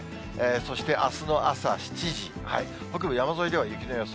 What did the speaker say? そしてあすの朝７時、北部山沿いでは雪の予想。